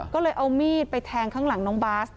ก็เลยเอามีดไปแทงข้างหลังน้องบาส